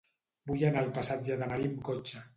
Vull anar al passatge de Marí amb cotxe.